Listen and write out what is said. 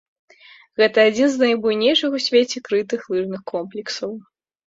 Гэта адзін з найбуйнейшых у свеце крытых лыжных комплексаў.